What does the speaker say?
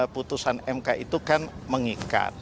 putusan mk itu kan mengikat